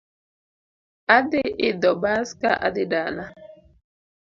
Adhi idho bas ka adhi dala